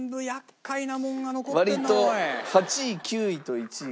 割と８位９位と１位が。